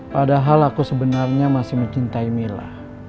padahal aku sebenarnya masih mencintai mila